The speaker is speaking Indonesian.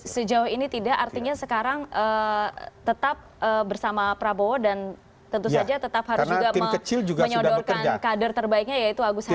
sejauh ini tidak artinya sekarang tetap bersama prabowo dan tentu saja tetap harus juga menyodorkan kader terbaiknya yaitu agus harimur